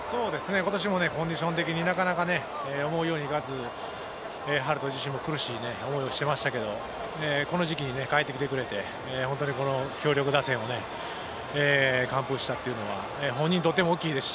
今年もコンディション的になかなか思うようにいかず遥人自身も苦しい思いをしていましたけど、この時期に帰って来てくれて本当に強力打線を完封したというのは本人にとっても大きいですし